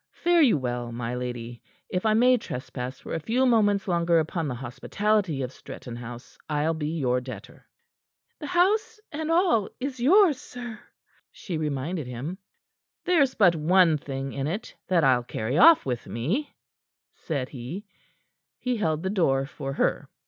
Fare you well, my lady. If I may trespass for a few moments longer upon the hospitality of Stretton House, I'll be your debtor." "The house and all is yours, sir," she reminded him. "There's but one thing in it that I'll carry off with me," said he. He held the door for her.